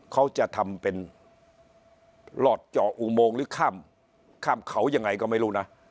เขาจะทำเป็นหลอดเจาะอุโมงหรือข้ามข้ามเขายังไงก็ไม่รู้นะ